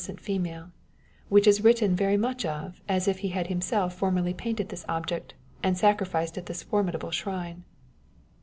155 cent female â€" which is written very much as if he had himself formerly painted this object, and sacrificed at this formidable shrine.